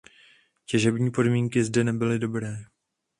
Těžební podmínky zde nebyly dobré.